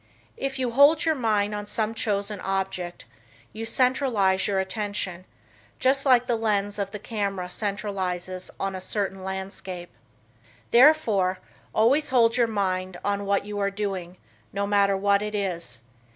If you hold your mind on some chosen object, you centralize your attention, just like the lens of the camera centralizes on a certain landscape. Therefore always hold your mind on what you are doing, no matter what it is.